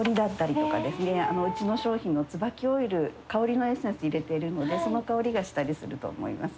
うちの商品のつばきオイル香りのエッセンス入れてるのでその香りがしたりすると思います。